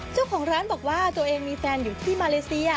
เจ้าของร้านบอกว่าตัวเองมีแฟนอยู่ที่มาเลเซีย